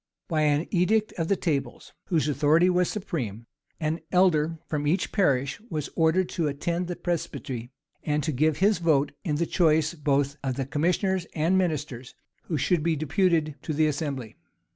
By an edict of the tables, whose authority was supreme, an elder from each parish was ordered to attend the presbytery, and to give his vote in the choice both of the commissioners and ministers who should be deputed to the assembly.